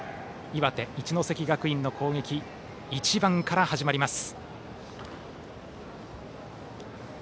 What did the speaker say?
岩手・一関学院の攻撃は１番から始まります。